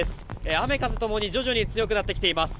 雨風共に徐々に強くなってきています。